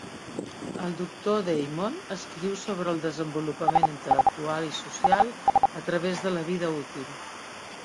El doctor Damon escriu sobre el desenvolupament intel·lectual i social a través de la vida útil.